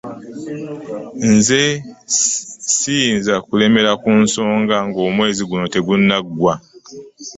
Nze siyinza kulemera ku nsonga ng'omwezi guno tegunaggwa.